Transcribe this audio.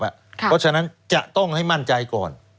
เพราะฉะนั้นจะต้องให้มั่นใจก่อน